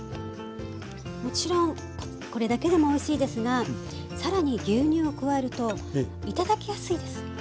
もちろんこれだけでもおいしいですがさらに牛乳を加えると頂きやすいです。